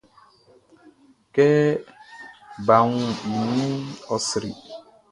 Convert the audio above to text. Kɛ baʼn wun i ninʼn, ɔ sri.